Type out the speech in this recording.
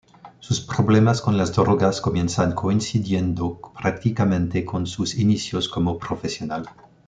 Sus problemas con las drogas comienzan coincidiendo prácticamente con sus inicios como profesional.